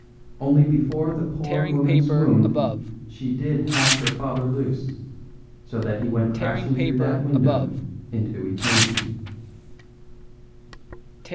Only before the poor woman swooned, she did hack her father loose, so that he went crashing through that window into eternity."